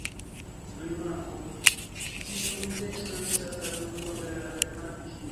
Rimarko: Tiu teksto estas traduko el la germana vikio.